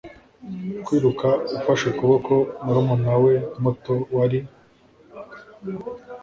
kwiruka ufashe ukuboko murumuna we muto wari